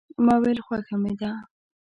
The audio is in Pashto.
ما ویل خوښه مې ده.